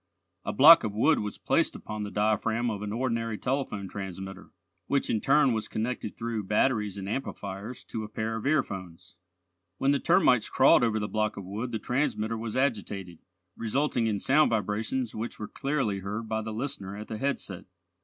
A block of wood was placed upon the diaphragm of an ordinary telephone transmitter, which in turn was connected through batteries and amplifiers to a pair of earphones. When the termites crawled over the block of wood the transmitter was agitated, resulting in sound vibrations which were clearly heard by the listener at the headset.